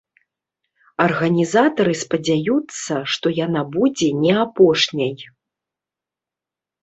Арганізатары спадзяюцца, што яна будзе не апошняй.